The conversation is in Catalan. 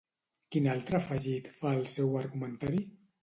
Quin altre afegit fa al seu argumentari?